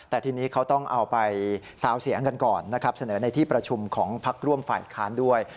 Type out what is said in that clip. แต่ทีนี้เขาต้องเอาไปซาวเสียงกันก่อนนะครับเสนอในที่ประชุมของพักร่วมฝ่ายค้านด้วย